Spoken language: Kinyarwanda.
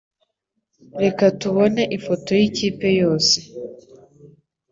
Reka tubone ifoto yikipe yose.